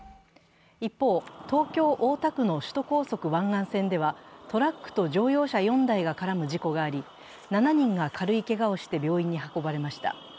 一方、東京・大田区の首都高速湾岸線ではトラックと乗用車４台が絡む事故があり、７人が軽いけがをして病院に運ばれました。